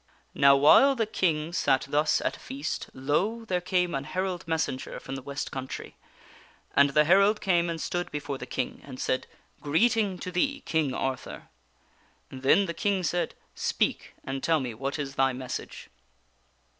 Now while the King sat thus at feast, lo ! there came an herald messenger from the west country. And the herald came and stood before the King, and said :" Greeting to thee, King Arthur !" Then the King said: "Speak, and tell me, what is thy message